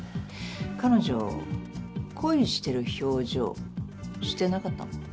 彼女恋してる表情してなかったもん。